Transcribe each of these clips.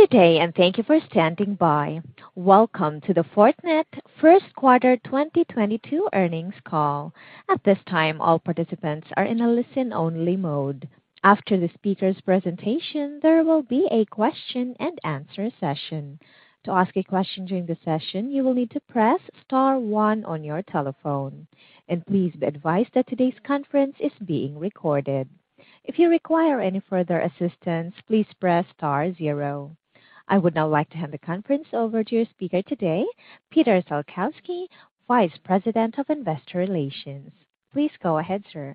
Good day, and thank you for standing by. Welcome to the Fortinet first quarter 2022 earnings call. At this time, all participants are in a listen-only mode. After the speaker's presentation, there will be a question-and-answer session. To ask a question during the session, you will need to press star one on your telephone. Please be advised that today's conference is being recorded. If you require any further assistance, please press star zero. I would now like to hand the conference over to your speaker today, Peter Salkowski, Vice President of Investor Relations. Please go ahead, sir.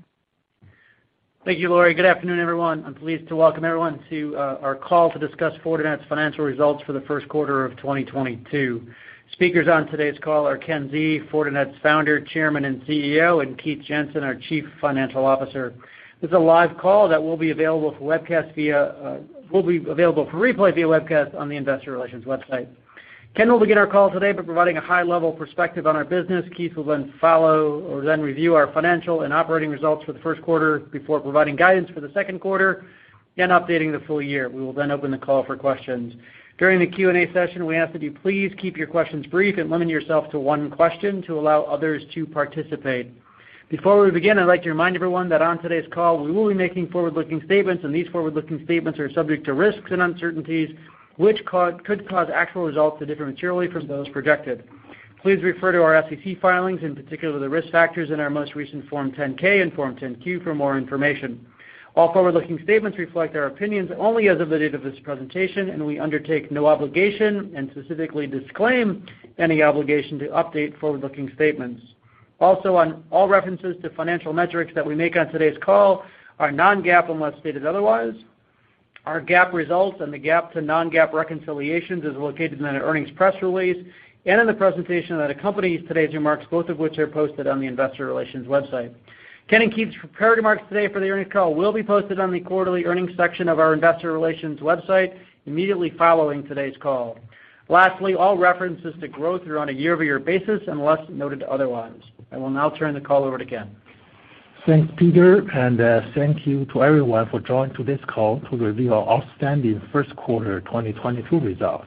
Thank you, Laurie. Good afternoon, everyone. I'm pleased to welcome everyone to our call to discuss Fortinet's financial results for the first quarter of 2022. Speakers on today's call are Ken Xie, Fortinet's Founder, Chairman, and CEO, and Keith Jensen, our Chief Financial Officer. This is a live call that will be available for replay via webcast on the investor relations website. Ken will begin our call today by providing a high-level perspective on our business. Keith will then follow and then review our financial and operating results for the first quarter before providing guidance for the second quarter and updating the full year. We will then open the call for questions. During the Q&A session, we ask that you please keep your questions brief and limit yourself to one question to allow others to participate. Before we begin, I'd like to remind everyone that on today's call, we will be making forward-looking statements, and these forward-looking statements are subject to risks and uncertainties which could cause actual results to differ materially from those projected. Please refer to our SEC filings, in particular the risk factors in our most recent Form 10-K and Form 10-Q, for more information. All forward-looking statements reflect our opinions only as of the date of this presentation, and we undertake no obligation and specifically disclaim any obligation to update forward-looking statements. Also, all references to financial metrics that we make on today's call are non-GAAP unless stated otherwise. Our GAAP results and the GAAP to non-GAAP reconciliations is located in an earnings press release and in the presentation that accompanies today's remarks, both of which are posted on the investor relations website. Ken and Keith's prepared remarks today for the earnings call will be posted on the quarterly earnings section of our investor relations website immediately following today's call. Lastly, all references to growth are on a year-over-year basis unless noted otherwise. I will now turn the call over to Ken. Thanks, Peter, thank you to everyone for joining to this call to review our outstanding first quarter 2022 results.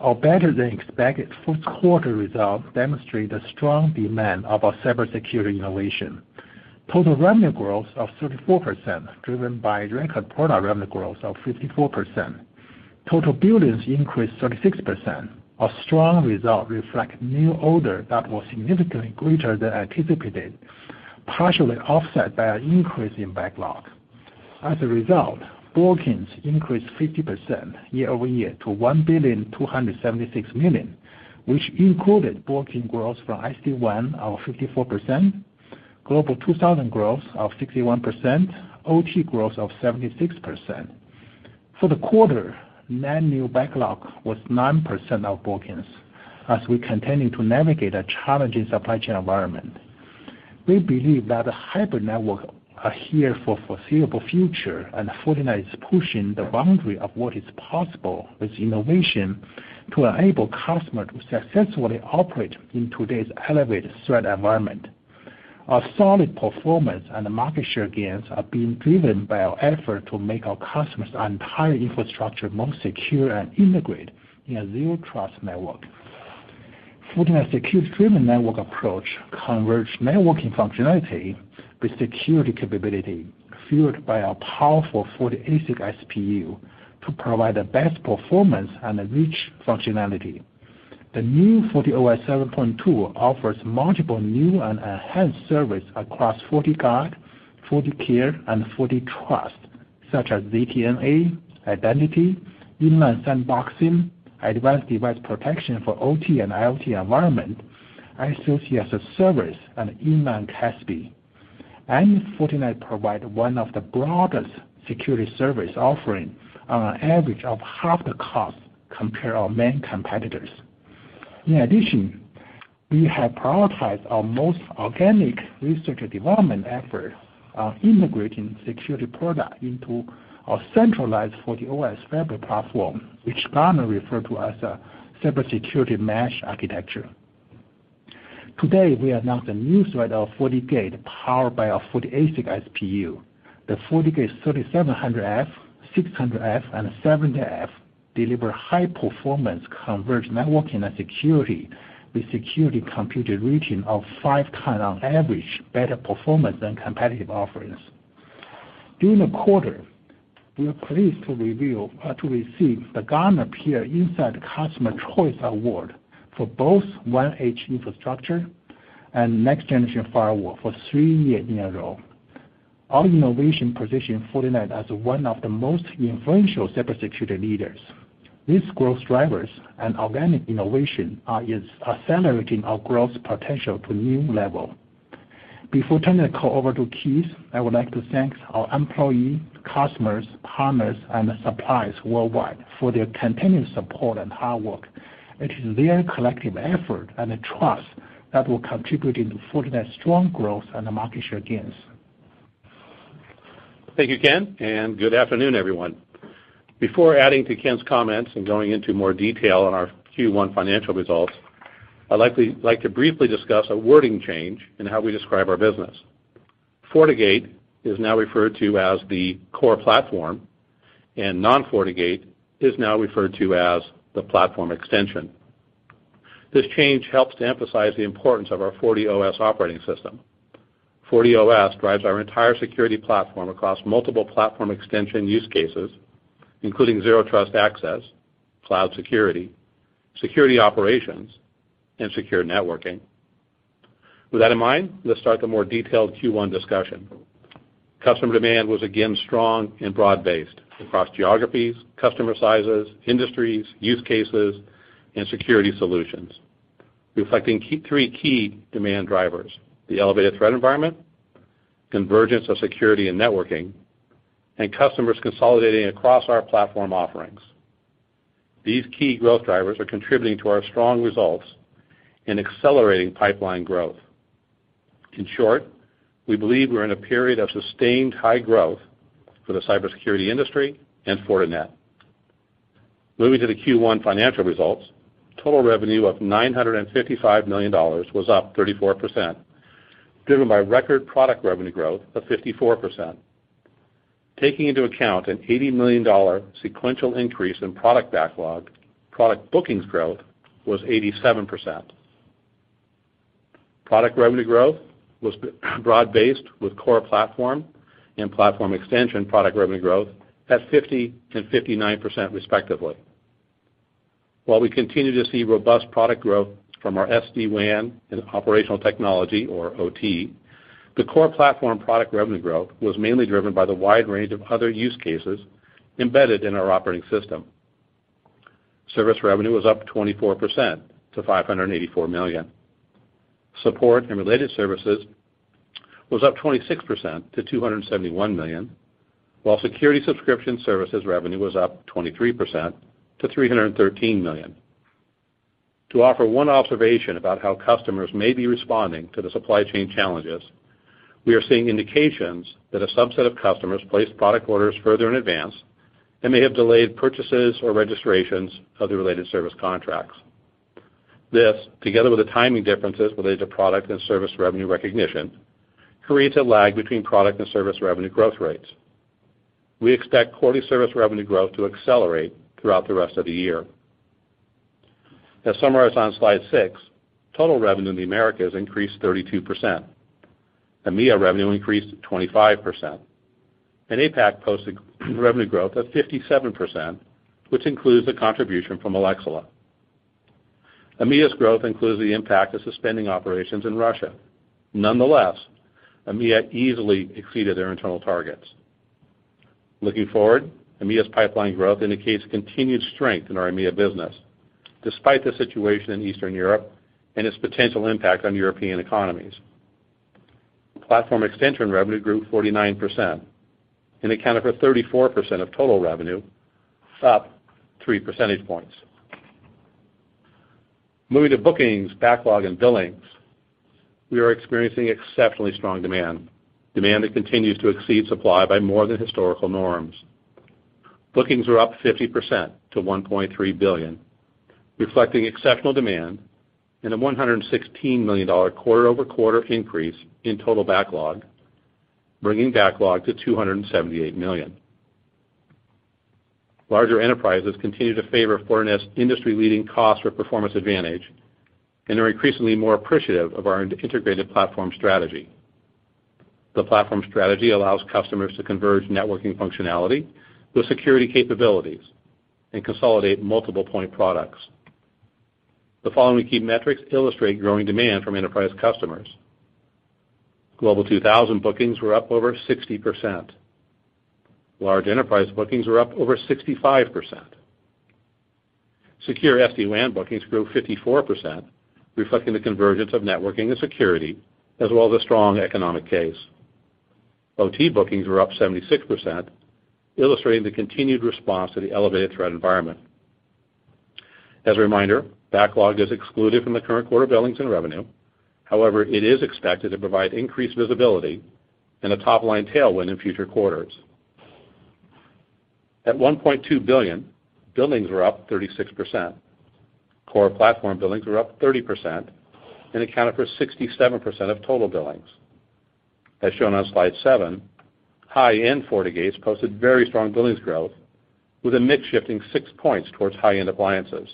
Our better than expected first quarter results demonstrate a strong demand of our cybersecurity innovation. Total revenue growth of 34%, driven by record product revenue growth of 54%. Total billings increased 36%. Our strong result reflect new order that was significantly greater than anticipated, partially offset by an increase in backlog. As a result, bookings increased 50% year-over-year to $1.276 billion, which included booking growth from SD-WAN of 54%, Global 2000 growth of 61%, OT growth of 76%. For the quarter, net new backlog was 9% of bookings as we continue to navigate a challenging supply chain environment. We believe that the hybrid network is here for the foreseeable future, and Fortinet is pushing the boundary of what is possible with innovation to enable customers to successfully operate in today's elevated threat environment. Our solid performance and the market share gains are being driven by our effort to make our customers' entire infrastructure more secure and integrated in a zero-trust network. Fortinet's Security-Driven Networking approach converges networking functionality with security capability fueled by our powerful FortiASIC SPU to provide the best performance and a rich functionality. The new FortiOS 7.2 offers multiple new and enhanced services across FortiGuard, FortiCare, and FortiTrust, such as ZTNA, identity, inline sandboxing, advanced device protection for OT and IoT environments, ISAC as a service, and inline CASB. Fortinet provides one of the broadest security services offering on average of half the cost compared to our main competitors. In addition, we have prioritized our most organic research and development efforts on integrating security products into a centralized FortiOS fabric platform, which Gartner refer to as a cybersecurity mesh architecture. Today, we announced a new suite of FortiGate powered by our FortiASIC SPU. The FortiGate 3700F, 600F, and 70F deliver high-performance converged networking and security with Security Compute Rating of five times on average better performance than competitive offerings. During the quarter, we are pleased to receive the Gartner Peer Insights Customers' Choice for both WAN infrastructure and next-generation firewall for three years in a row. Our innovation positions Fortinet as one of the most influential cybersecurity leaders. These growth drivers and organic innovation is accelerating our growth potential to new level. Before turning the call over to Keith, I would like to thank our employees, customers, partners, and suppliers worldwide for their continuous support and hard work. It is their collective effort and the trust that will contribute to Fortinet's strong growth and the market share gains. Thank you, Ken, and good afternoon, everyone. Before adding to Ken's comments and going into more detail on our Q1 financial results, I'd like to briefly discuss a wording change in how we describe our business. FortiGate is now referred to as the core platform, and non-FortiGate is now referred to as the platform extension. This change helps to emphasize the importance of our FortiOS operating system. FortiOS drives our entire security platform across multiple platform extension use cases, including zero trust access, cloud security operations, and secure networking. With that in mind, let's start the more detailed Q1 discussion. Customer demand was again strong and broad-based across geographies, customer sizes, industries, use cases, and security solutions, reflecting three key demand drivers: the elevated threat environment, convergence of security and networking, and customers consolidating across our platform offerings. These key growth drivers are contributing to our strong results in accelerating pipeline growth. In short, we believe we're in a period of sustained high growth for the cybersecurity industry and Fortinet. Moving to the Q1 financial results, total revenue of $955 million was up 34%, driven by record product revenue growth of 54%. Taking into account an $80 million sequential increase in product backlog, product bookings growth was 87%. Product revenue growth was broad-based, with core platform and platform extension product revenue growth at 50% and 59%, respectively. While we continue to see robust product growth from our SD-WAN and operational technology, or OT, the core platform product revenue growth was mainly driven by the wide range of other use cases embedded in our operating system. Service revenue was up 24% to $584 million. Support and related services was up 26% to $271 million, while security subscription services revenue was up 23% to $313 million. To offer one observation about how customers may be responding to the supply chain challenges, we are seeing indications that a subset of customers place product orders further in advance and may have delayed purchases or registrations of the related service contracts. This, together with the timing differences related to product and service revenue recognition, creates a lag between product and service revenue growth rates. We expect quarterly service revenue growth to accelerate throughout the rest of the year. As summarized on slide six, total revenue in the Americas increased 32%. EMEA revenue increased 25%, and APAC posted revenue growth of 57%, which includes the contribution from Australia. EMEA's growth includes the impact of suspending operations in Russia. Nonetheless, EMEA easily exceeded their internal targets. Looking forward, EMEA's pipeline growth indicates continued strength in our EMEA business, despite the situation in Eastern Europe and its potential impact on European economies. Platform extension revenue grew 49% and accounted for 34% of total revenue, up 3 percentage points. Moving to bookings, backlog, and billings. We are experiencing exceptionally strong demand that continues to exceed supply by more than historical norms. Bookings were up 50% to $1.3 billion, reflecting exceptional demand and a $116 million quarter-over-quarter increase in total backlog, bringing backlog to $278 million. Larger enterprises continue to favor Fortinet's industry-leading cost-for-performance advantage and are increasingly more appreciative of our integrated platform strategy. The platform strategy allows customers to converge networking functionality with security capabilities and consolidate multiple point products. The following key metrics illustrate growing demand from enterprise customers. Global 2000 bookings were up over 60%. Large enterprise bookings were up over 65%. Secure SD-WAN bookings grew 54%, reflecting the convergence of networking and security, as well as a strong economic case. OT bookings were up 76%, illustrating the continued response to the elevated threat environment. As a reminder, backlog is excluded from the current quarter billings and revenue. However, it is expected to provide increased visibility and a top-line tailwind in future quarters. At $1.2 billion, billings were up 36%. Core platform billings were up 30% and accounted for 67% of total billings. As shown on slide seven, high-end FortiGates posted very strong billings growth with a mix shifting 6 points towards high-end appliances.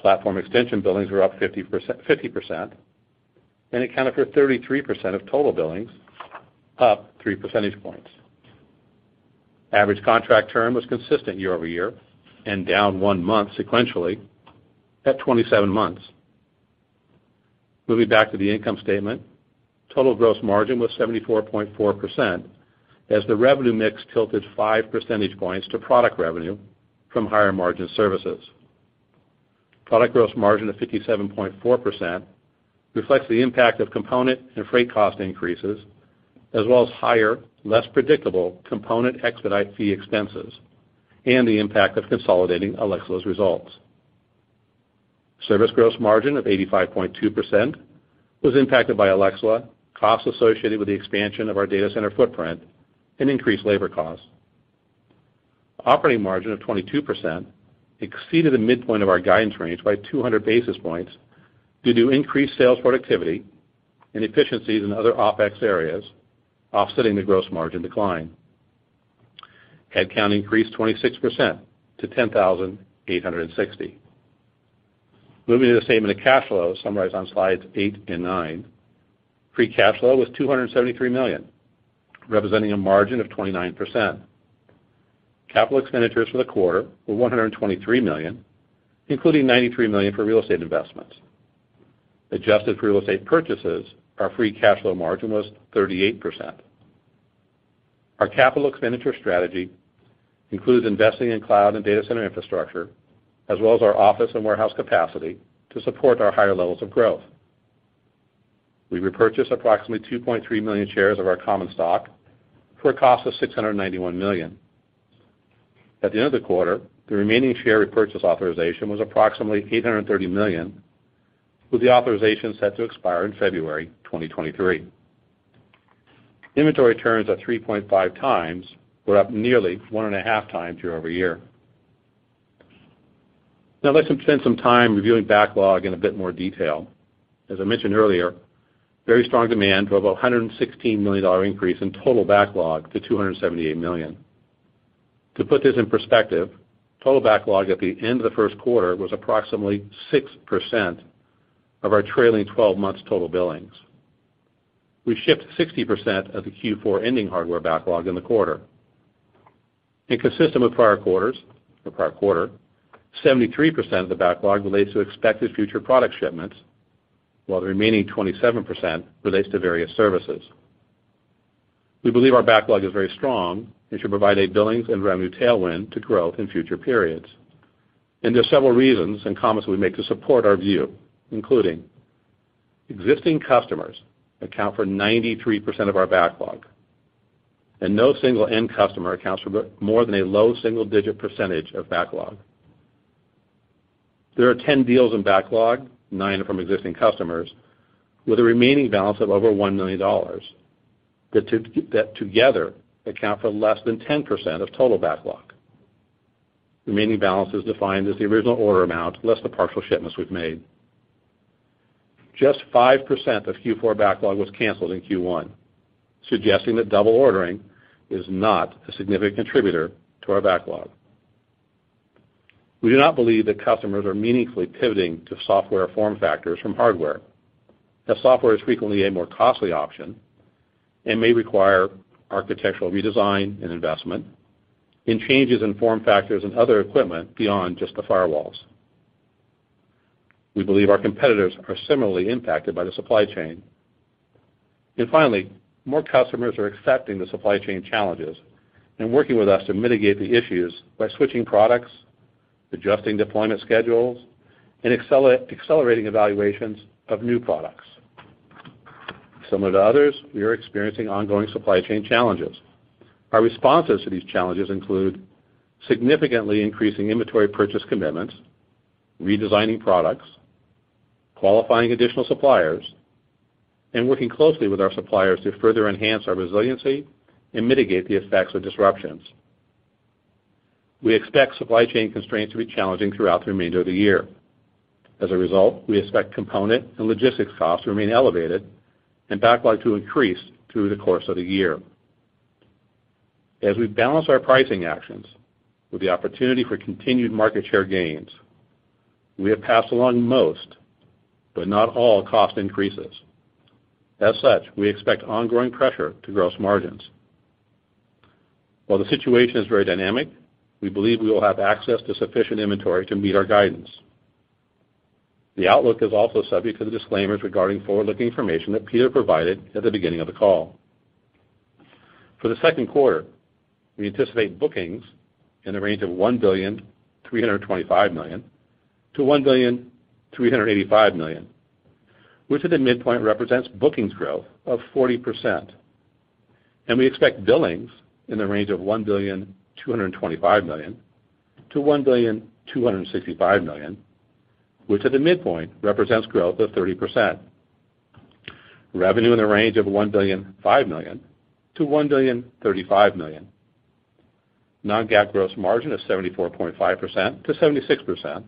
Platform extension billings were up 50% and accounted for 33% of total billings, up 3 percentage points. Average contract term was consistent year-over-year and down one month sequentially at 27 months. Moving back to the income statement, total gross margin was 74.4% as the revenue mix tilted 5 percentage points to product revenue from higher-margin services. Product gross margin of 57.4% reflects the impact of component and freight cost increases, as well as higher, less predictable component expedite fee expenses, and the impact of consolidating Alaxala's results. Service gross margin of 85.2% was impacted by Alaxala, costs associated with the expansion of our data center footprint, and increased labor costs. Operating margin of 22% exceeded the midpoint of our guidance range by 200 basis points due to increased sales productivity and efficiencies in other OpEx areas, offsetting the gross margin decline. Headcount increased 26% to 10,860. Moving to the statement of cash flow summarized on slides eight and nine. Free cash flow was $273 million, representing a margin of 29%. Capital expenditures for the quarter were $123 million, including $93 million for real estate investments. Adjusted for real estate purchases, our free cash flow margin was 38%. Our capital expenditure strategy includes investing in cloud and data center infrastructure, as well as our office and warehouse capacity to support our higher levels of growth. We repurchased approximately 2.3 million shares of our common stock for a cost of $691 million. At the end of the quarter, the remaining share repurchase authorization was approximately $830 million, with the authorization set to expire in February 2023. Inventory turns at 3.5x were up nearly 1.5x year-over-year. Now let's spend some time reviewing backlog in a bit more detail. As I mentioned earlier, very strong demand drove a $116 million increase in total backlog to $278 million. To put this in perspective, total backlog at the end of the first quarter was approximately 6% of our trailing 12-month total billings. We shipped 60% of the Q4 ending hardware backlog in the quarter. Consistent with prior quarters or prior quarter, 73% of the backlog relates to expected future product shipments, while the remaining 27% relates to various services. We believe our backlog is very strong and should provide a billings and revenue tailwind to grow in future periods. There are several reasons and comments we make to support our view, including existing customers account for 93% of our backlog, and no single end customer accounts for more than a low single-digit percentage of backlog. There are 10 deals in backlog, nine are from existing customers, with a remaining balance of over $1 million, that together account for less than 10% of total backlog. Remaining balance is defined as the original order amount less the partial shipments we've made. Just 5% of Q4 backlog was canceled in Q1, suggesting that double ordering is not a significant contributor to our backlog. We do not believe that customers are meaningfully pivoting to software form factors from hardware, as software is frequently a more costly option and may require architectural redesign and investment, and changes in form factors and other equipment beyond just the firewalls. We believe our competitors are similarly impacted by the supply chain. Finally, more customers are accepting the supply chain challenges and working with us to mitigate the issues by switching products, adjusting deployment schedules, and accelerating evaluations of new products. Similar to others, we are experiencing ongoing supply chain challenges. Our responses to these challenges include significantly increasing inventory purchase commitments, redesigning products, qualifying additional suppliers, and working closely with our suppliers to further enhance our resiliency and mitigate the effects of disruptions. We expect supply chain constraints to be challenging throughout the remainder of the year. As a result, we expect component and logistics costs to remain elevated and backlog to increase through the course of the year. As we balance our pricing actions with the opportunity for continued market share gains, we have passed along most, but not all, cost increases. As such, we expect ongoing pressure to gross margins. While the situation is very dynamic, we believe we will have access to sufficient inventory to meet our guidance. The outlook is also subject to the disclaimers regarding forward-looking information that Peter provided at the beginning of the call. For the second quarter, we anticipate bookings in the range of $1.325 billion-$1.385 billion, which at the midpoint represents bookings growth of 40%. We expect billings in the range of $1.225 billion-$1.265 billion, which at the midpoint represents growth of 30%. Revenue in the range of $1.005 billion-$1.035 billion. Non-GAAP gross margin of 74.5%-76%.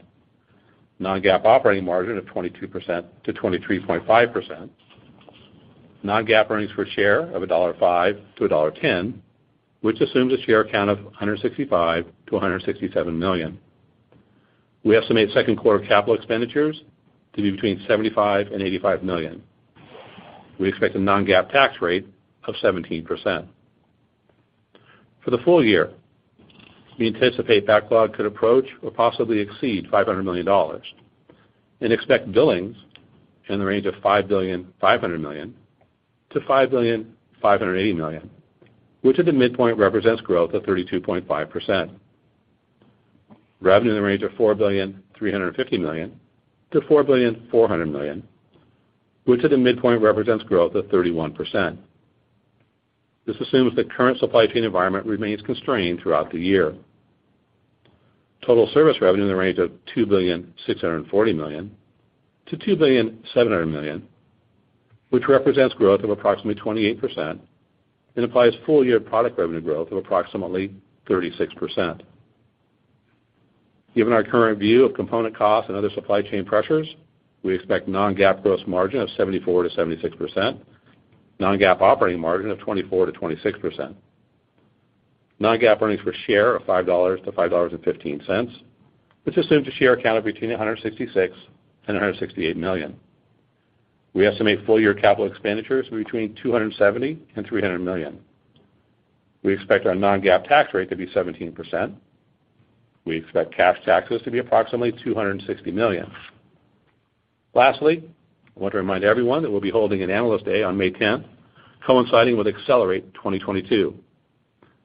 Non-GAAP operating margin of 22%-23.5%. Non-GAAP earnings per share of $1.05-$1.10, which assumes a share count of 165 million-167 million. We estimate second quarter capital expenditures to be between $75 million-$85 million. We expect a non-GAAP tax rate of 17%. For the full-year, we anticipate backlog could approach or possibly exceed $500 million and expect billings in the range of $5.5 billion-$5.58 billion, which at the midpoint represents growth of 32.5%. Revenue in the range of $4.35 billion-$4.4 billion, which at the midpoint represents growth of 31%. This assumes the current supply chain environment remains constrained throughout the year. Total service revenue in the range of $2.64 billion-$2.7 billion, which represents growth of approximately 28% and implies full-year product revenue growth of approximately 36%. Given our current view of component costs and other supply chain pressures, we expect a non-GAAP gross margin of 74%-76%, non-GAAP operating margin of 24%-26%. Non-GAAP earnings per share of $5.00-$5.15, which assumes a share count of between 166 million and 168 million. We estimate full-year capital expenditures between $270 million and $300 million. We expect our non-GAAP tax rate to be 17%. We expect cash taxes to be approximately $260 million. Lastly, I want to remind everyone that we'll be holding an Analyst Day on May 10th, coinciding with Accelerate 2022.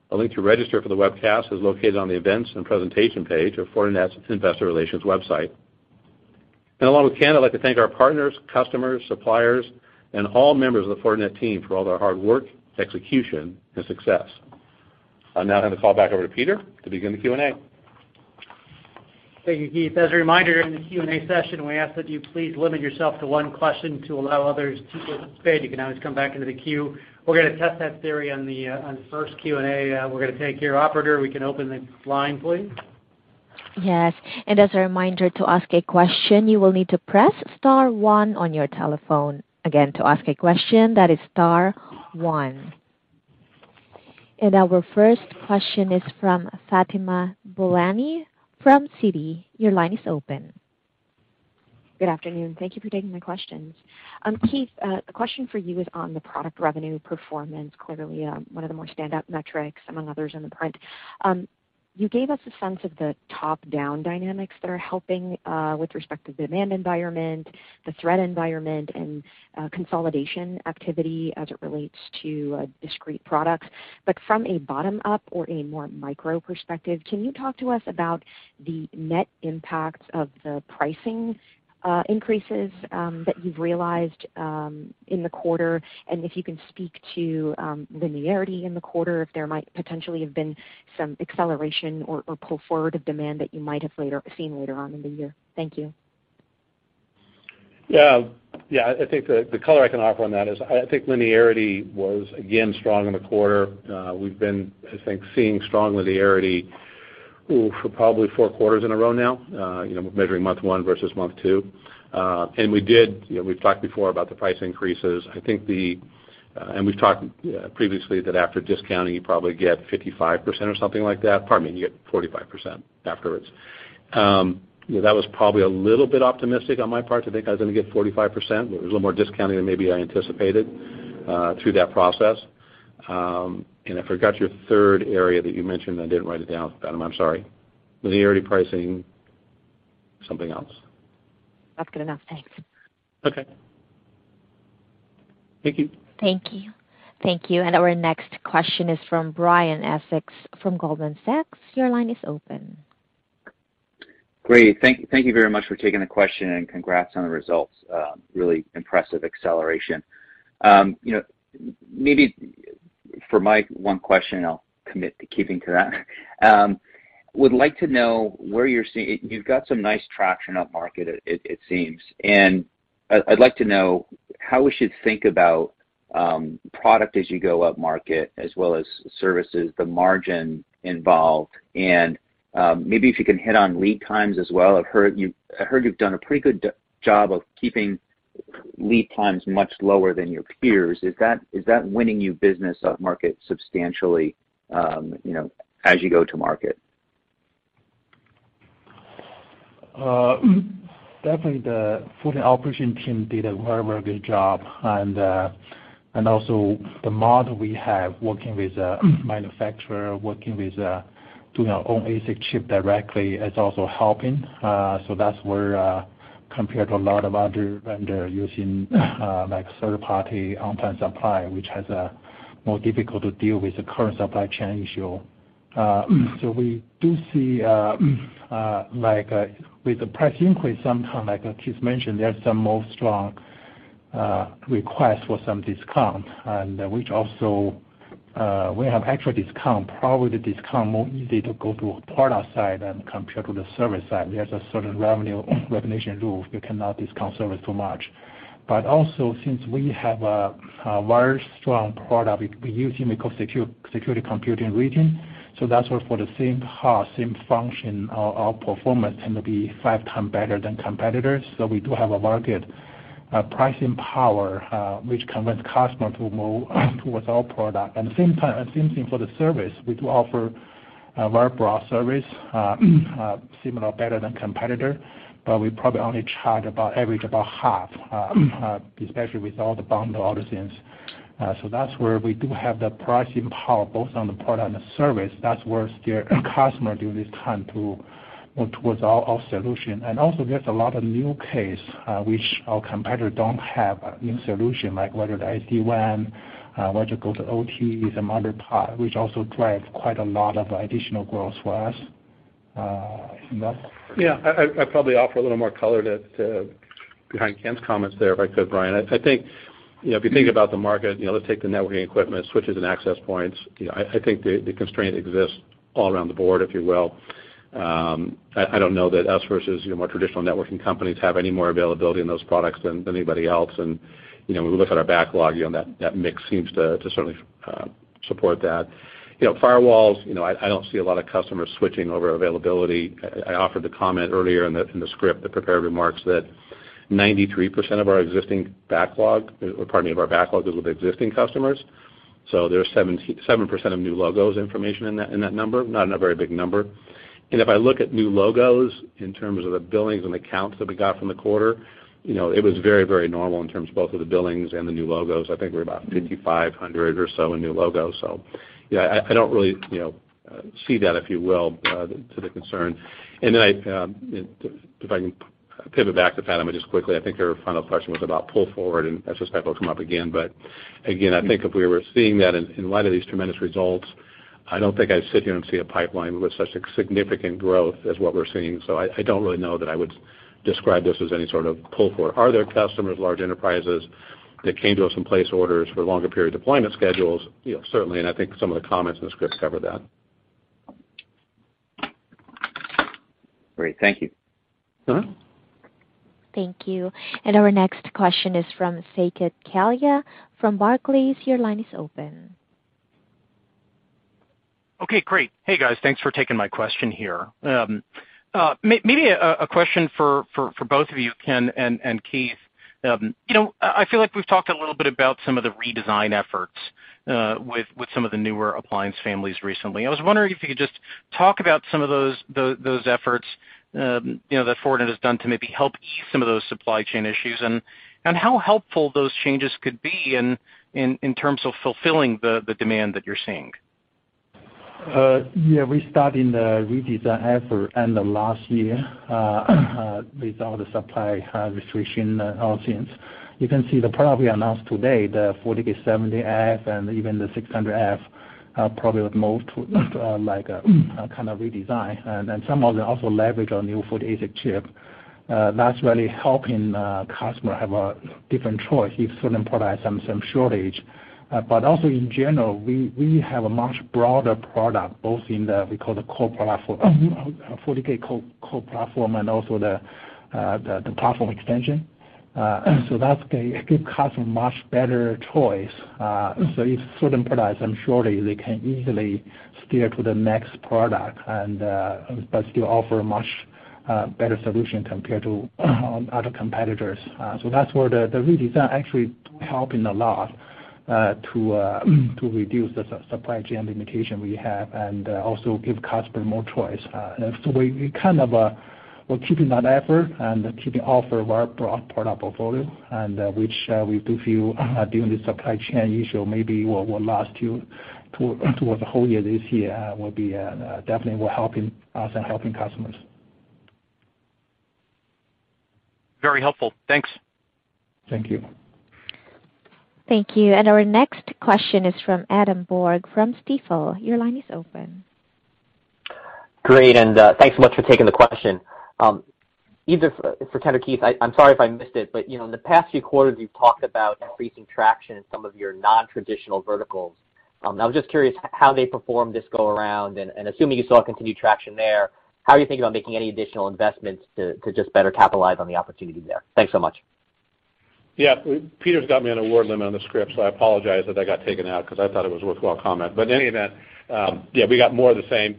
A link to register for the webcast is located on the events and presentation page of Fortinet's Investor Relations website. Along with Ken, I'd like to thank our partners, customers, suppliers, and all members of the Fortinet team for all their hard work, execution, and success. I'll now hand the call back over to Peter to begin the Q&A. Thank you, Keith. As a reminder, in the Q&A session, we ask that you please limit yourself to one question to allow others to participate. You can always come back into the queue. We're gonna test that theory on the first Q&A we're gonna take here. Operator, we can open the line, please. Yes. As a reminder, to ask a question, you will need to press star one on your telephone. Again, to ask a question, that is star one. Our first question is from Fatima Boolani from Citi. Your line is open. Good afternoon. Thank you for taking my questions. Keith, the question for you is on the product revenue performance quarterly, one of the more standout metrics among others in the print. You gave us a sense of the top-down dynamics that are helping with respect to demand environment, the threat environment, and consolidation activity as it relates to discrete products. From a bottom-up or a more micro perspective, can you talk to us about the net impact of the pricing increases that you've realized in the quarter? And if you can speak to linearity in the quarter, if there might potentially have been some acceleration or pull forward of demand that you might have seen later on in the year. Thank you. Yeah. Yeah, I think the color I can offer on that is I think linearity was again strong in the quarter. We've been seeing strong linearity for probably four quarters in a row now, you know, measuring month one versus month two. We've talked before about the price increases. I think we've talked previously that after discounting, you probably get 55% or something like that. Pardon me, you get 45% afterwards. You know, that was probably a little bit optimistic on my part to think I was gonna get 45%. There was a little more discounting than maybe I anticipated through that process. I forgot your third area that you mentioned. I didn't write it down, Fatima, I'm sorry. Linearity pricing, something else. That's good enough. Thanks. Okay. Thank you. Thank you. Our next question is from Brian Essex from Goldman Sachs. Your line is open. Great. Thank you very much for taking the question, and congrats on the results, really impressive acceleration. You know, maybe for my one question, I'll commit to keeping to that. Would like to know where you're seeing. You've got some nice traction upmarket, it seems. I'd like to know how we should think about products as you go upmarket, as well as services, the margin involved. Maybe if you can hit on lead times as well. I've heard you've done a pretty good job of keeping lead times much lower than your peers. Is that winning you business upmarket substantially, you know, as you go to market? Definitely, the Fortinet operations team did a very, very good job. Also, the model we have working with the manufacturer, doing our own ASIC chip directly, is also helping. That's where, compared to a lot of other vendors using, like, third-party off-the-shelf supply, which is more difficult to deal with the current supply chain issue. We do see, like, with the price increase sometime, like as Keith mentioned, there's some stronger request for some discount and which also, we have actual discount, probably the discount easier to go through product side than compared to the service side. There's a certain revenue recognition rule. We cannot discount service too much. Also, since we have a very strong product, we use our Security Compute Rating, that's where for the same cost, same function, our performance tend to be 5 times better than competitors. We do have a market pricing power, which convince customer to move towards our product. Same time, same thing for the service. We do offer a very broad service, similar or better than competitor, but we probably only charge about average about half, especially with all the bundle all the things. That's where we do have the pricing power both on the product and the service. That's where steer customers during this time to move towards our solution. Also, there's a lot of new use cases which our competitors don't have a new solution, like the SD-WAN, whether to go to OT with some other product, which also drives quite a lot of additional growth for us in that. Yeah. I'd probably offer a little more color to behind Ken's comments there, if I could, Brian. I think, you know, if you think about the market, you know, let's take the networking equipment, switches, and access points. You know, I think the constraint exists all around the board, if you will. I don't know that us versus your more traditional networking companies have any more availability in those products than anybody else. You know, when we look at our backlog, you know, that mix seems to certainly support that. You know, firewalls, you know, I don't see a lot of customers switching over availability. I offered the comment earlier in the script, the prepared remarks, that 93% of our existing backlog, or pardon me, of our backlog is with existing customers. There are 77% of new logos information in that number, not a very big number. If I look at new logos in terms of the billings and accounts that we got from the quarter, you know, it was very, very normal in terms of both the billings and the new logos. I think we're about 5,500 or so in new logos. Yeah, I don't really, you know, see that, if you will, as the concern. If I can pivot back to that, I mean, just quickly, I think your final question was about pull forward, and I suspect it'll come up again. Again, I think if we were seeing that in light of these tremendous results, I don't think I'd sit here and see a pipeline with such a significant growth as what we're seeing. I don't really know that I would describe this as any sort of pull forward. Are there customers, large enterprises that came to us and placed orders for longer period deployment schedules? You know, certainly, and I think some of the comments in the script cover that. Great. Thank you. Uh-huh. Thank you. Our next question is from Saket Kalia from Barclays. Your line is open. Okay, great. Hey, guys. Thanks for taking my question here. Maybe a question for both of you, Ken and Keith. You know, I feel like we've talked a little bit about some of the redesign efforts with some of the newer appliance families recently. I was wondering if you could just talk about some of those efforts, you know, that Fortinet has done to maybe help ease some of those supply chain issues, and how helpful those changes could be in terms of fulfilling the demand that you're seeing. Yeah, we started the redesign effort end of last year based on the supply restrictions. You can see the product we announced today, the FortiGate 70F, and even the FortiGate 600F, probably would move to like a kind of redesign. Then some of them also leverage our new FortiASIC chip. That's really helping customers have a different choice if certain products have some shortage. But also in general, we have a much broader product, both in the we call the core platform, FortiGate core platform, and also the platform extension. That gives customer much better choice. If certain products have shortage, they can easily steer to the next product but still offer a much better solution compared to other competitors. That's where the redesign is actually helping a lot to reduce the supply chain limitation we have and also give customers more choice. We kind of we're keeping that effort and keeping offer of our broad product portfolio, and which we do feel during the supply chain issue maybe what will last through to the whole year this year will be definitely helping us and helping customers. Very helpful. Thanks. Thank you. Thank you. Our next question is from Adam Borg from Stifel. Your line is open. Great, thanks so much for taking the question. Either for Ken or Keith, I'm sorry if I missed it, but you know, in the past few quarters, you've talked about increasing traction in some of your non-traditional verticals. I was just curious how they performed this go around. Assuming you saw continued traction there, how are you thinking about making any additional investments to just better capitalize on the opportunity there? Thanks so much. Yeah. Peter's got me on a word limit on the script, so I apologize that got taken out because I thought it was a worthwhile comment. In any event, yeah, we got more of the same.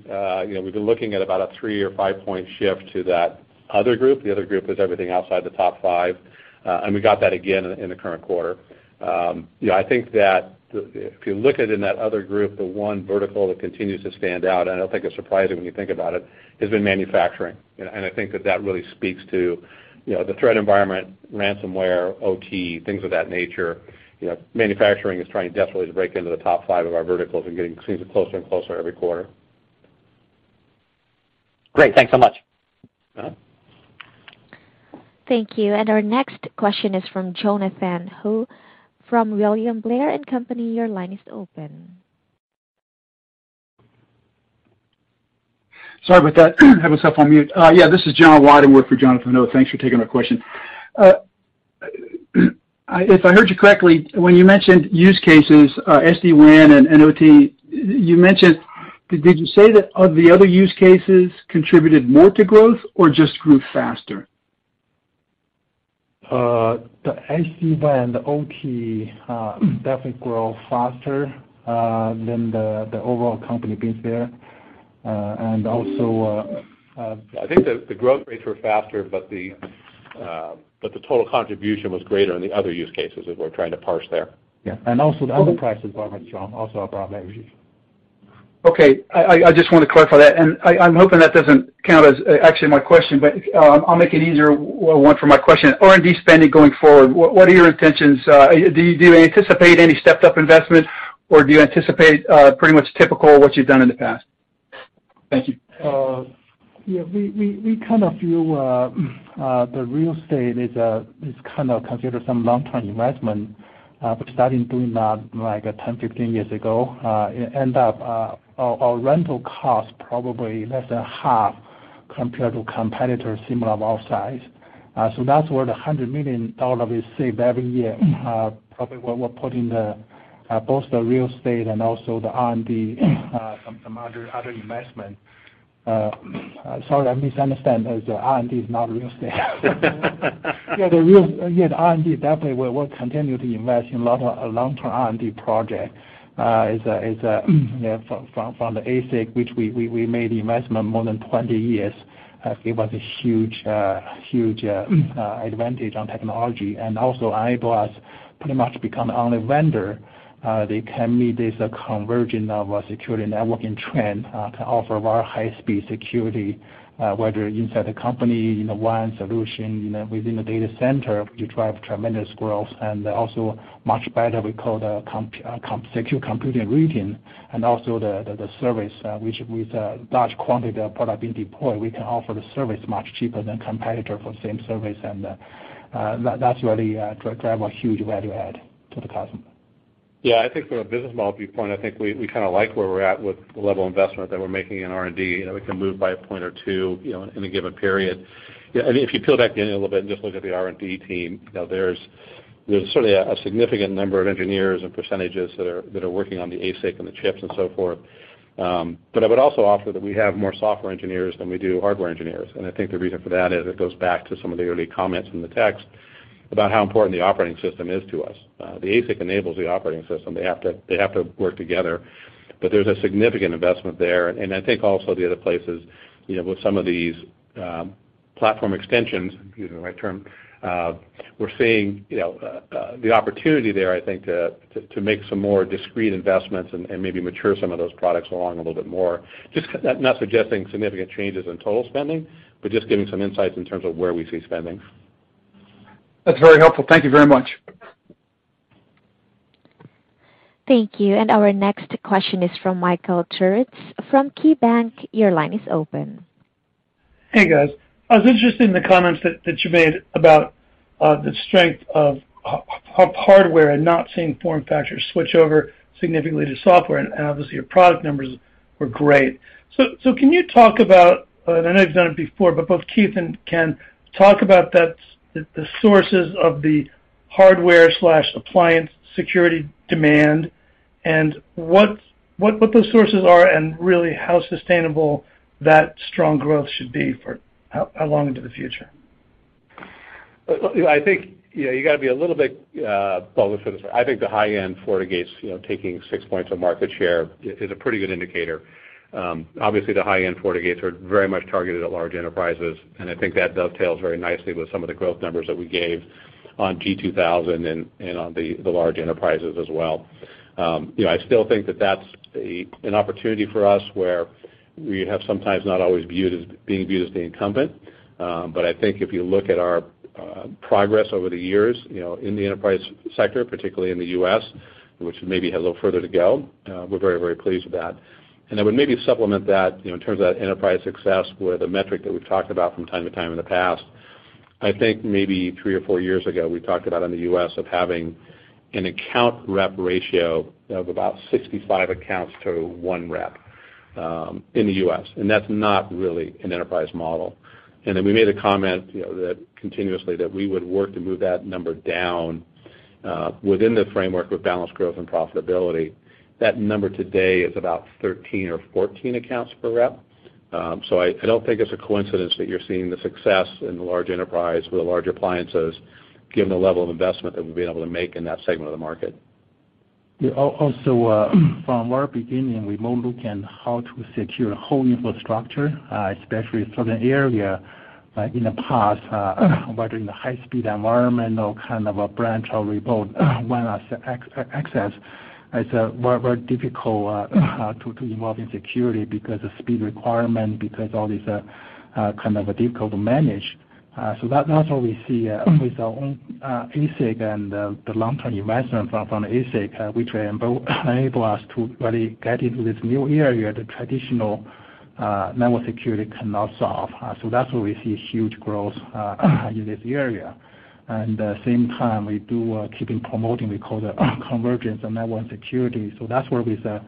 You know, we've been looking at about a three- or five-point shift to that other group. The other group is everything outside the top five. We got that again in the current quarter. You know, I think that if you look at that other group, the one vertical that continues to stand out, and I don't think it's surprising when you think about it, has been manufacturing. I think that really speaks to, you know, the threat environment, ransomware, OT, things of that nature. You know, manufacturing is trying desperately to break into the top five of our verticals, and it's getting closer and closer every quarter. Great. Thanks so much. Uh-huh. Thank you. Our next question is from Jonathan Ho from William Blair & Company. Your line is open. Sorry about that. Had myself on mute. Yeah, this is John Weidner with Jonathan Ho. Thanks for taking my question. If I heard you correctly, when you mentioned use cases, SD-WAN, and OT, did you say that the other use cases contributed more to growth or just grew faster? The SD-WAN, the OT definitely grow faster than the overall company base there. I think the growth rates were faster, but the total contribution was greater in the other use cases, if we're trying to parse there. Yeah. Also, the other prices Okay. Also have growth averages. Okay. I just want to clarify that, and I'm hoping that doesn't count as actually my question, but I'll make it easier, one for my question. R&D spending going forward, what are your intentions? Do you anticipate any stepped-up investment, or do you anticipate pretty much typical what you've done in the past? Thank you. We kind of view the real estate as kind of considered some long-term investment. We started doing that like 10, 15 years ago. It ends up our rental cost probably less than half compared to competitor similar of our size. So that's where the $100 million we save every year, probably where we're putting both the real estate and also the R&D, some other investment. Sorry, I misunderstand. As R&D is not real estate. Yeah, the R&D definitely we'll continue to invest in a lot of long-term R&D projects. It's a, yeah, from the ASIC, which we made the investment more than 20 years, give us a huge advantage on technology. It enables us to pretty much become the only vendor that can meet this convergence of a security networking trend to offer our high-speed security, whether inside the company in one solution, you know, within the data center. You drive tremendous growth, and also much better, we call the Security Compute Rating, and also the service, which, with a large quantity of product being deployed, we can offer the service much cheaper than competitors for the same service. That really drives a huge value add to the customer. Yeah, I think from a business model viewpoint, I think we kinda like where we're at with the level of investment that we're making in R&D. You know, we can move by a point or two, you know, in a given period. Yeah, and if you peel back the onion a little bit and just look at the R&D team, you know, there's certainly a significant number of engineers and percentages that are working on the ASIC and the chips and so forth. But I would also offer that we have more software engineers than we do hardware engineers. I think the reason for that is it goes back to some of the early comments in the text about how important the operating system is to us. The ASIC enables the operating system. They have to work together. There's a significant investment there. I think also the other places, you know, with some of these, platform extensions, using the right term, we're seeing, you know, the opportunity there, I think, to make some more discrete investments and maybe mature some of those products along a little bit more. Just not suggesting significant changes in total spending, but just giving some insights in terms of where we see spending. That's very helpful. Thank you very much. Thank you. Our next question is from Michael Turits from KeyBanc. Your line is open. Hey, guys. I was interested in the comments you made about the strength of hardware and not seeing form factors switch over significantly to software, and obviously, your product numbers were great. Can you talk about, and I know you've done it before, but both Keith and Ken talk about that, the sources of the hardware appliance security demand, and what those sources are, and really how sustainable that strong growth should be for how long into the future? Look, I think, you know, you got to be a little bit bullish for this. I think the high-end FortiGates, you know, taking six points of market share is a pretty good indicator. Obviously, the high-end FortiGates are very much targeted at large enterprises, and I think that dovetails very nicely with some of the growth numbers that we gave on Global 2000 and on the large enterprises as well. You know, I still think that that's an opportunity for us where we have sometimes not always been viewed as the incumbent. I think if you look at our progress over the years, you know, in the enterprise sector, particularly in the U.S., which maybe has a little further to go, we're very, very pleased with that. I would maybe supplement that, you know, in terms of that enterprise success with a metric that we've talked about from time to time in the past. I think maybe three or four years ago, we talked about in the U.S. of having an account rep ratio of about 65 accounts to one rep, in the U.S., and that's not really an enterprise model. We made a comment, you know, that continuously that we would work to move that number down, within the framework of balanced growth and profitability. That number today is about 13 or 14 accounts per rep. I don't think it's a coincidence that you're seeing the success in the large enterprise with the larger appliances, given the level of investment that we've been able to make in that segment of the market. Yeah. Also, from our beginning, we more look at how to secure whole infrastructure, especially certain area, in the past, whether in the high-speed environment or kind of a branch or remote SD-WAN access. It's very, very difficult to involve in security because the speed requirement, because all these kind of difficult to manage. That's where we see with our own ASIC and the long-term investment from the ASIC, which will enable us to really get into this new area the traditional network security cannot solve. That's where we see huge growth in this area. At the same time, we keep promoting, we call the convergence of network security. That's where, with the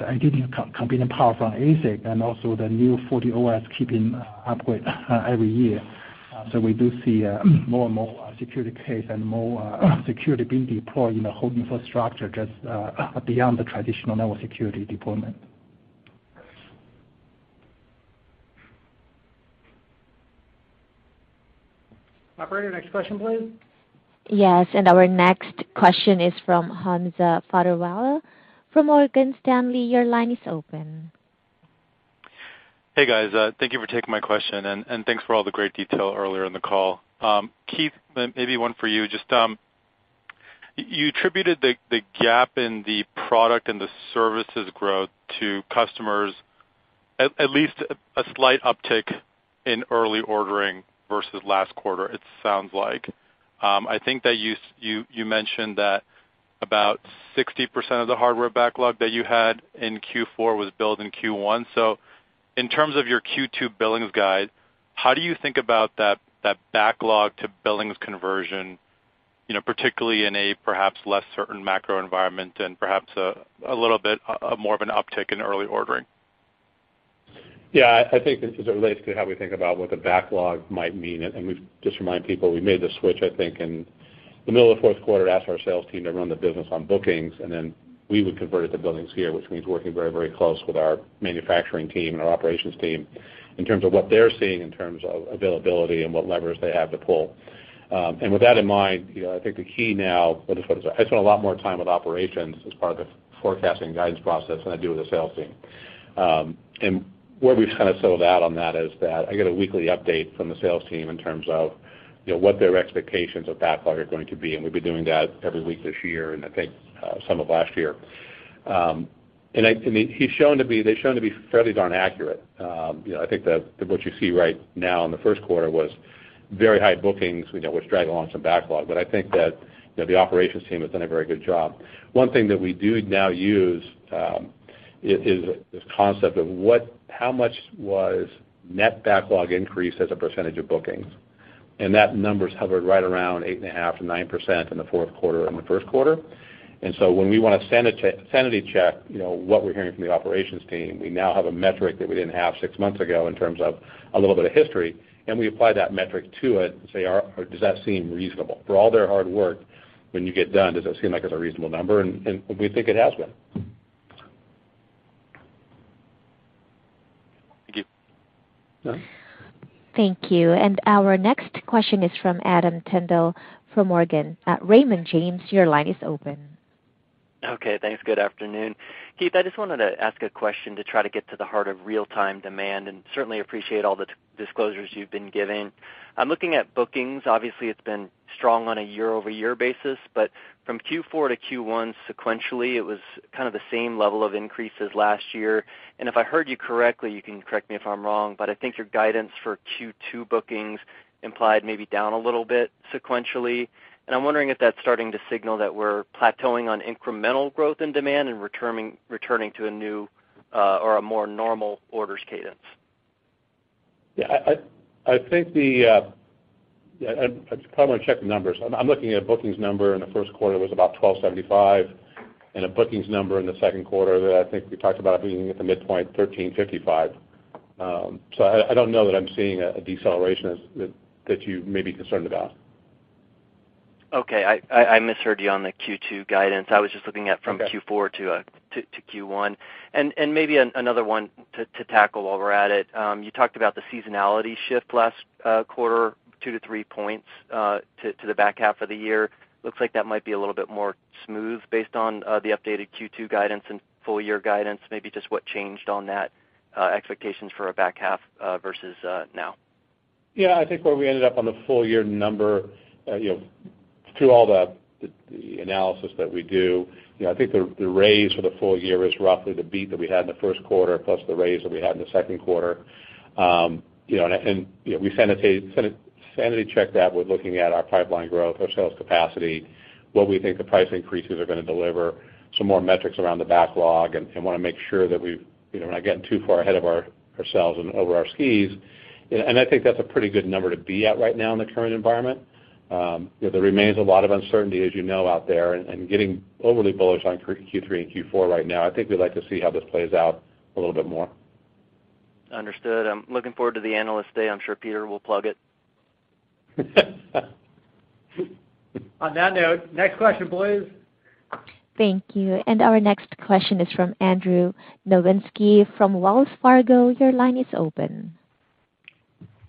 additional computing power from ASIC, and also the new FortiOS upgrade every year. We do see more and more security use cases and more security being deployed in the whole infrastructure, just beyond the traditional network security deployment. Operator, next question, please. Yes. Our next question is from Hamza Fodderwala from Morgan Stanley. Your line is open. Hey, guys. Thank you for taking my question, and thanks for all the great detail earlier in the call. Keith, maybe one for you. Just, you attributed the gap in the product and the services growth to customers, at least a slight uptick in early ordering versus last quarter, it sounds like. I think that you mentioned that about 60% of the hardware backlog that you had in Q4 was built in Q1. So, in terms of your Q2 billings guide, how do you think about that backlog-to-billings conversion, you know, particularly in a perhaps less certain macro environment and perhaps a little bit more of an uptick in early ordering? Yeah. I think this is related to how we think about what the backlog might mean. We've just to remind people, we made the switch, I think, in the middle of fourth quarter, asked our sales team to run the business on bookings, and then we would convert it to billings here, which means working very, very close with our manufacturing team and our operations team in terms of what they're seeing in terms of availability and what levers they have to pull. With that in mind, you know, I think the key now. Let me put it this way, I spend a lot more time with operations as part of the forecasting guidance process than I do with the sales team. Where we've kind of settled out on that is that I get a weekly update from the sales team in terms of, you know, what their expectations of backlog are going to be, and we've been doing that every week this year, and I think some of last year. They've shown to be fairly darn accurate. You know, I think that what you see right now in the first quarter was very high bookings, you know, which drag along some backlog. I think that, you know, the operations team has done a very good job. One thing that we do now use is this concept of how much was net backlog increase as a percentage of bookings. That number has hovered right around 8.5%-9% in the fourth quarter and the first quarter. When we wanna sanity check, you know, what we're hearing from the operations team, we now have a metric that we didn't have six months ago in terms of a little bit of history, and we apply that metric to it and say, or does that seem reasonable? For all their hard work when you get done, does that seem like it's a reasonable number? We think it has been. Thank you. Yeah. Thank you. Our next question is from Adam Tindle from Raymond James. Raymond James, your line is open. Okay, thanks. Good afternoon. Keith, I just wanted to ask a question to try to get to the heart of real-time demand, and certainly appreciate all the disclosures you've been giving. I'm looking at bookings. Obviously, it's been strong on a year-over-year basis, but from Q4 to Q1 sequentially, it was kind of the same level of increase as last year. If I heard you correctly, you can correct me if I'm wrong, but I think your guidance for Q2 bookings implied maybe down a little bit sequentially. I'm wondering if that's starting to signal that we're plateauing on incremental growth and demand and returning to a new or a more normal orders cadence. Yeah. I think I probably wanna check the numbers. I'm looking at bookings number in the first quarter was about $1,275, and a bookings number in the second quarter that I think we talked about being at the midpoint, $1,355. So I don't know that I'm seeing a deceleration as that you may be concerned about. Okay. I misheard you on the Q2 guidance. I was just looking at- Okay. From Q4 to Q1. Maybe another one to tackle while we're at it. You talked about the seasonality shift last quarter, 2 points-3 points to the back half of the year. Looks like that might be a little bit more smooth based on the updated Q2 guidance and full-year guidance. Maybe just what changed on that, expectations for a back half versus now. Yeah. I think where we ended up on the full-year number, you know, through all the analysis that we do, you know, I think the raise for the full-year is roughly the beat that we had in the first quarter, plus the raise that we had in the second quarter. You know, and you know, we sanity check that with looking at our pipeline growth, our sales capacity, what we think the price increases are gonna deliver, some more metrics around the backlog and wanna make sure that we've, you know, we're not getting too far ahead of ourselves and over our skis. I think that's a pretty good number to be at right now in the current environment. You know, there remains a lot of uncertainty, as you know, out there, and getting overly bullish on Q3 and Q4 right now. I think we'd like to see how this plays out a little bit more. Understood. I'm looking forward to the Analyst Day. I'm sure Peter will plug it. On that note, next question, please. Thank you. Our next question is from Andrew Nowinski from Wells Fargo. Your line is open.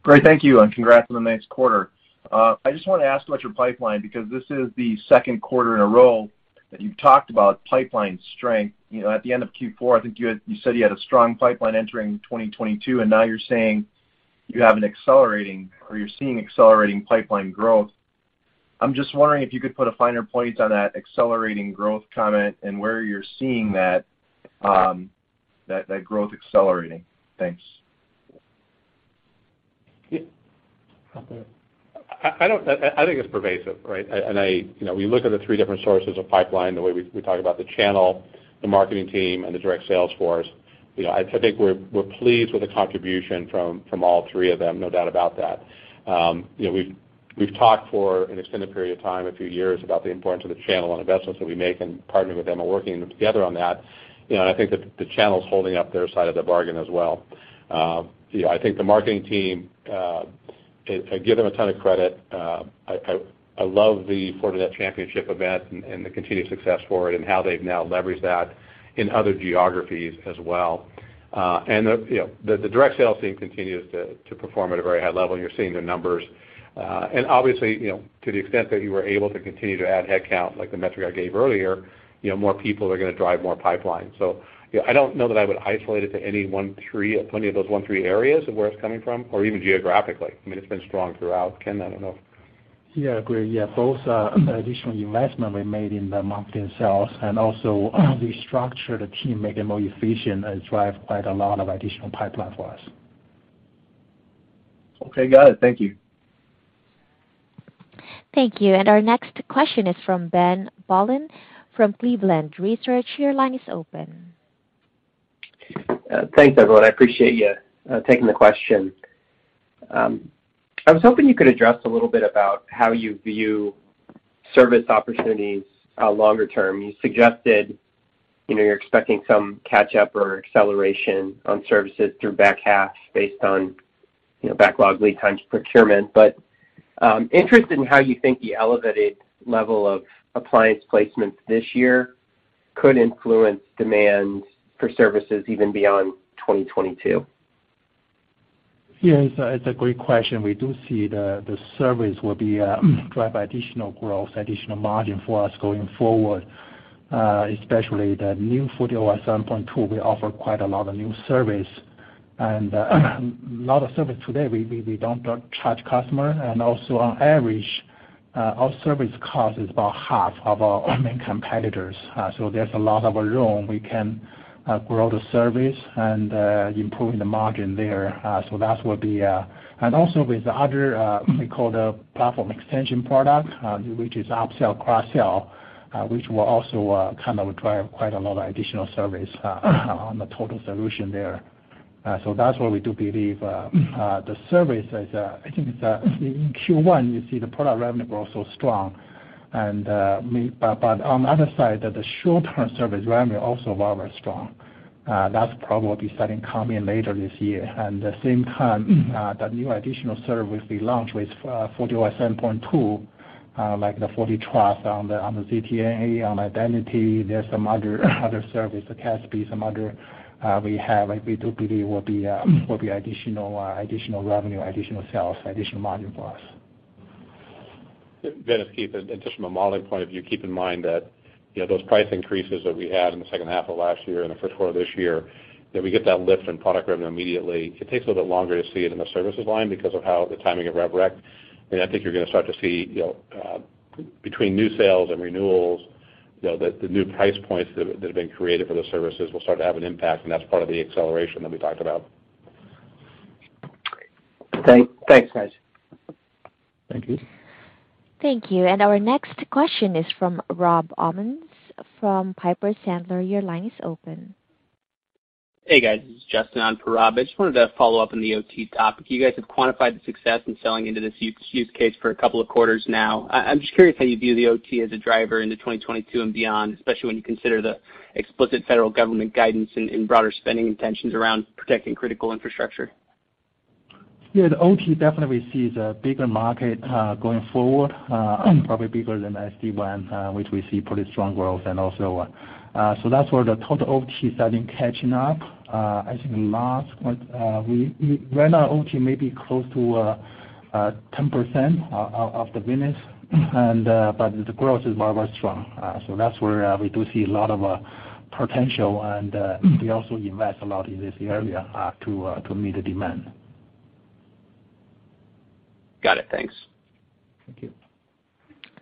Great. Thank you, and congrats on a nice quarter. I just wanna ask about your pipeline because this is the second quarter in a row that you've talked about pipeline strength. You know, at the end of Q4, I think you said you had a strong pipeline entering 2022, and now you're saying you have an accelerating or you're seeing accelerating pipeline growth. I'm just wondering if you could put a finer point on that accelerating growth comment and where you're seeing that growth accelerating. Thanks. Yeah. I think it's pervasive, right? You know, we look at the three different sources of pipeline, the way we talk about the channel, the marketing team, and the direct sales force. You know, I think we're pleased with the contribution from all three of them, no doubt about that. You know, we've talked for an extended period of time, a few years, about the importance of the channel and investments that we make in partnering with them and working together on that. You know, I think that the channel's holding up their side of the bargain as well. You know, I think the marketing team, I give them a ton of credit. I love the Fortinet Championship event and the continued success for it and how they've now leveraged that in other geographies as well. The direct sales team continues to perform at a very high level, and you're seeing their numbers. Obviously, you know, to the extent that you were able to continue to add headcount, like the metric I gave earlier, you know, more people are gonna drive more pipeline. I don't know that I would isolate it to any one thing or any of those one-thing areas of where it's coming from, or even geographically. I mean, it's been strong throughout. Ken, I don't know. Yeah, agree. Yeah, both additional investments we made in the marketing sales, and also we structure the team, make it more efficient and drive quite a lot of additional pipeline for us. Okay, got it. Thank you. Thank you. Our next question is from Ben Bollin from Cleveland Research. Your line is open. Thanks everyone. I appreciate you taking the question. I was hoping you could address a little bit about how you view service opportunities longer-term. You suggested, you know, you're expecting some catch-up or acceleration on services through back half based on, you know, backlog lead times, procurement. Interested in how you think the elevated level of appliance placements this year could influence demand for services even beyond 2022. Yes, it's a great question. We do see the service will drive additional growth, additional margin for us going forward, especially the new FortiOS 7.2 will offer quite a lot of new service. A lot of services today, we don't charge customer. Also, on average, our service cost is about half of our main competitors. There's a lot of room we can grow the service and improving the margin there. That will be. With the other, we call the platform extension product, which is upsell, cross-sell, which will also kind of drive quite a lot of additional service on the total solution there. That's why we do believe the service is. I think it's in Q1 you see the product revenue grow so strong and, on the other side, the short-term service revenue also very, very strong. That's probably starting to come in later this year. The same time, the new additional service we launch with FortiOS 7.2, like the FortiTrust on the ZTNA, on identity, there's some other service, the CASB, some other we have. We do believe will be additional revenue, additional sales, additional margin for us. Ben, it's Keith. Just from a modeling point of view, keep in mind that, you know, those price increases that we had in the second half of last year and the first quarter of this year, that we get that lift in product revenue immediately. It takes a little bit longer to see it in the services line because of how the timing of Revenue Recognition. I mean, I think you're gonna start to see, you know, between new sales and renewals, you know, the new price points that have been created for the services will start to have an impact, and that's part of the acceleration that we talked about. Great. Thanks, guys. Thank you. Thank you. Our next question is from Rob Owens from Piper Sandler. Your line is open. Hey, guys. This is Justin on for Rob. I just wanted to follow up on the OT topic. You guys have quantified the success in selling into this use case for a couple of quarters now. I'm just curious how you view the OT as a driver into 2022 and beyond, especially when you consider the explicit federal government guidance and broader spending intentions around protecting critical infrastructure. Yeah, the OT definitely we see is a bigger market going forward, probably bigger than SD-WAN, which we see pretty strong growth and also. That's where the total OT starting catching up. I think last quarter. Right now OT may be close to 10% of the business, and but the growth is very strong. That's where we do see a lot of potential, and we also invest a lot in this area to meet the demand. Got it. Thanks. Thank you.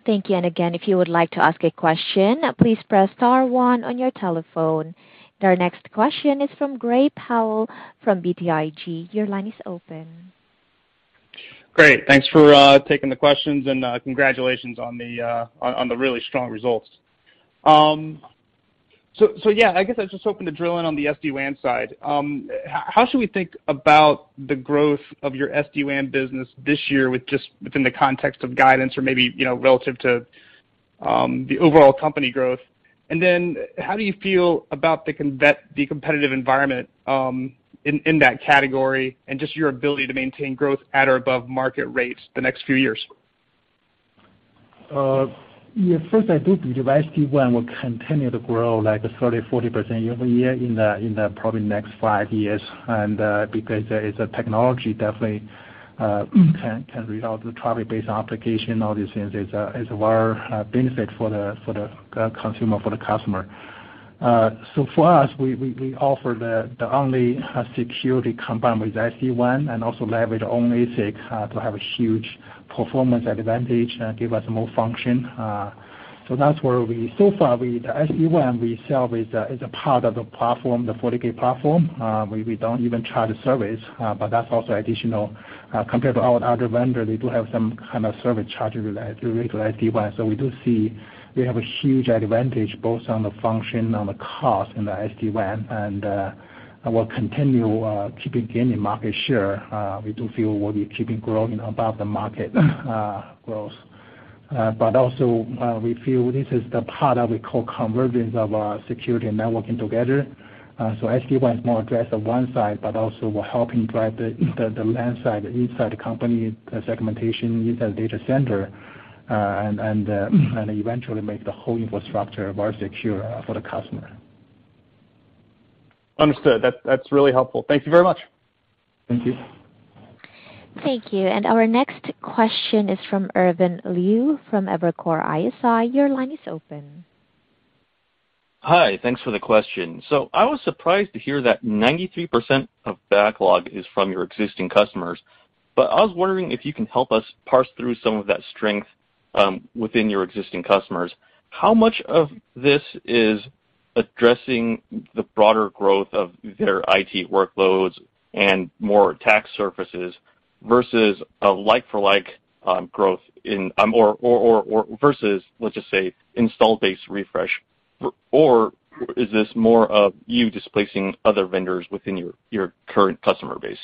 Thank you. Again, if you would like to ask a question, please press star one on your telephone. Our next question is from Gray Powell from BTIG. Your line is open. Great. Thanks for taking the questions, and congratulations on the really strong results. Yeah, I guess I was just hoping to drill in on the SD-WAN side. How should we think about the growth of your SD-WAN business this year, with just within the context of guidance or maybe, you know, relative to the overall company growth? Then how do you feel about the competitive environment in that category, and just your ability to maintain growth at or above market rates, the next few years? Yeah, first I think the SD-WAN will continue to grow like 30%-40% year-over-year in the probably next five years. Because it's a technology that definitely can route traffic-based applications, all these things. It's a very big benefit for the customer. So for us, we offer the only security combined with SD-WAN and also leverage own ASIC to have a huge performance advantage and give us more function. So that's where. The SD-WAN we sell is a part of the platform, the FortiGate platform. We don't even charge the service, but that's also additional compared to our other vendor, they do have some kind of service charge related to SD-WAN. We do see we have a huge advantage both on the function and the cost in the SD-WAN. We'll continue keeping gaining market share. We do feel we'll be keeping growing above the market growth. We feel this is the part that we call convergence of security and networking together. SD-WAN is more addressed on one side, but also we're helping drive the LAN side inside the company, the segmentation inside the data center, and eventually make the whole infrastructure more secure for the customer. Understood. That's really helpful. Thank you very much. Thank you. Thank you. Our next question is from Irvin Liu from Evercore ISI. Your line is open. Hi. Thanks for the question. I was surprised to hear that 93% of backlog is from your existing customers, but I was wondering if you can help us parse through some of that strength within your existing customers. How much of this is Addressing the broader growth of their IT workloads and more attack surfaces versus a like-for-like growth in or versus, let's just say, installed base refresh. Is this more of you displacing other vendors within your current customer base?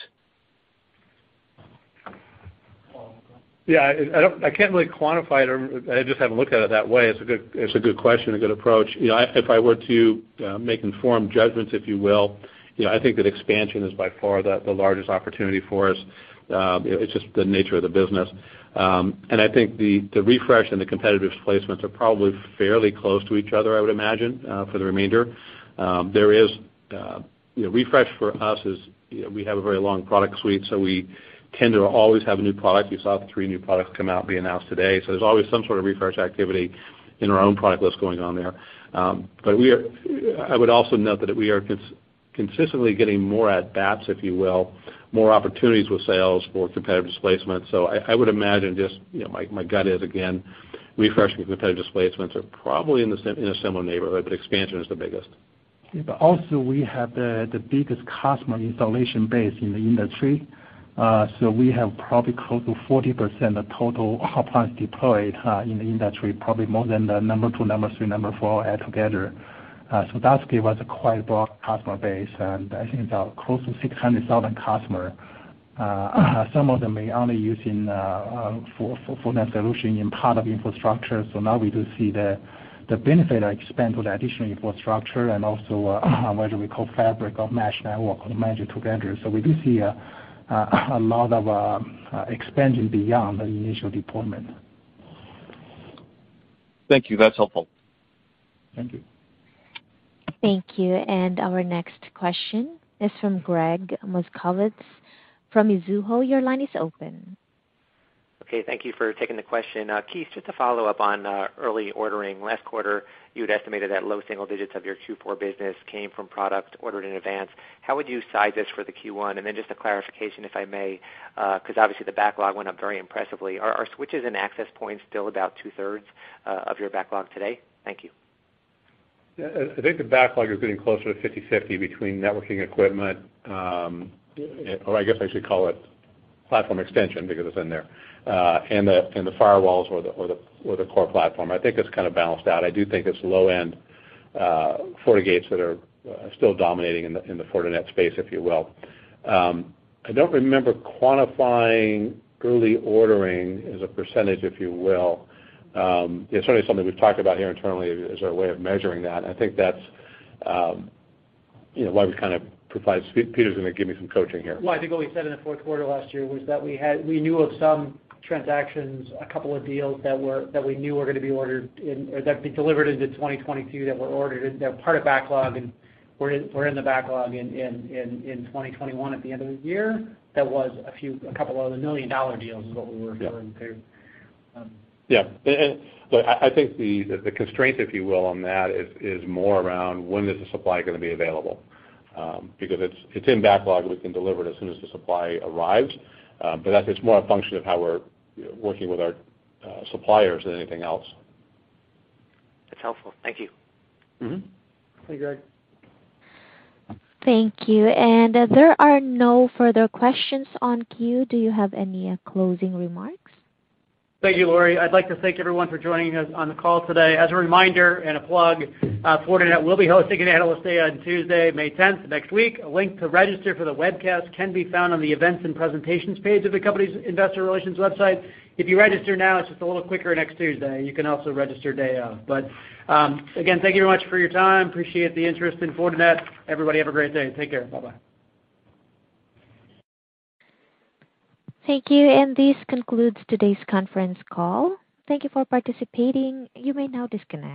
Yeah, I don't. I can't really quantify it, or I just haven't looked at it that way. It's a good question, a good approach. You know, if I were to make informed judgments, if you will, you know, I think that expansion is by far the largest opportunity for us. You know, it's just the nature of the business. I think the refresh and the competitive displacements are probably fairly close to each other, I would imagine, for the remainder. Refresh for us is, you know, we have a very long product suite, so we tend to always have a new product. You saw the three new products come out, being announced today. There's always some sort of refresh activity in our own product list going on there. I would also note that we are consistently getting more at-bats, if you will, more opportunities with sales for competitive displacement. I would imagine just, you know, my gut is, again, refresh and competitive displacements are probably in a similar neighborhood, but expansion is the biggest. We have the biggest customer installation base in the industry. We have probably close to 40% of total hot spots deployed in the industry, probably more than the number two, number three, number four add together. That gives us a quite broad customer base, and I think it's close to 600,000 customers. Some of them may only using Fortinet solution in part of infrastructure. We do see the benefit expand to the additional infrastructure and also whether we call fabric or mesh network, or manage together. We do see a lot of expansion beyond the initial deployment. Thank you. That's helpful. Thank you. Thank you. Our next question is from Gregg Moskowitz from Mizuho. Your line is open. Okay. Thank you for taking the question. Keith, just to follow up on early ordering. Last quarter, you had estimated that low single digits of your Q4 business came from products ordered in advance. How would you size this for the Q1? And then just a clarification, if I may, 'cause obviously the backlog went up very impressively. Are switches and access points still about 2/3 of your backlog today? Thank you. Yeah. I think the backlog is getting closer to 50/50 between networking equipment, or I guess I should call it platform extension, because it's in there, and the firewalls or the core platform. I think it's kinda balanced out. I do think it's low-end FortiGates that are still dominating in the Fortinet space, if you will. I don't remember quantifying early ordering as a percentage, if you will. It's certainly something we've talked about here internally as our way of measuring that, and I think that's, you know, why we've kind of provided. Peter's gonna give me some coaching here. Well, I think what we said in the fourth quarter last year was that we knew of some transactions, a couple of deals that we knew were gonna be ordered in or that'd be delivered into 2022 that were ordered and they're part of backlog and were in the backlog in 2021 at the end of the year. That was a few, a couple of other million-dollar deals is what we're referring to. Yeah. Look, I think the constraint, if you will, on that is more around when is the supply gonna be available. Because it's in backlog. We can deliver it as soon as the supply arrives, but it's more a function of how we're, you know, working with our suppliers than anything else. That's helpful. Thank you. Mm-hmm. Thank you, Gregg. Thank you. There are no further questions in the queue. Do you have any closing remarks? Thank you, Laurie. I'd like to thank everyone for joining us on the call today. As a reminder and a plug, Fortinet will be hosting an Analyst Day on Tuesday, May 10th, next week. A link to register for the webcast can be found on the Events and Presentations page of the company's investor relations website. If you register now, it's just a little quicker next Tuesday. You can also register day of. Again, thank you very much for your time. Appreciate the interest in Fortinet. Everybody have a great day. Take care. Bye-bye. Thank you. This concludes today's conference call. Thank you for participating. You may now disconnect.